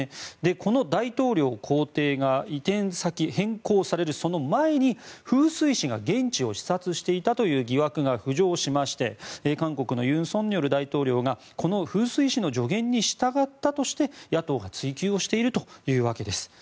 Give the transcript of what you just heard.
この大統領公邸が移転先変更される、その前に風水師が現地を視察していたという疑惑が浮上しまして韓国の尹錫悦大統領がこの風水師の助言に従ったとして野党が追及をしているというわけです。